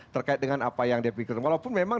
terkait dengan apa yang dipikirkan walaupun memang